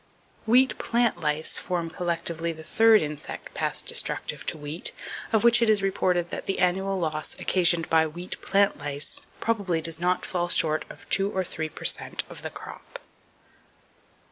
Wheat plant lice form collectively the third insect pest destructive to wheat, of which it is reported that "the annual loss occasioned by wheat plant lice probably does not fall short of two or three per cent of the crop."